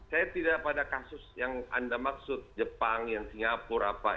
saya tidak pada kasus yang anda maksud jepang yang singapura apa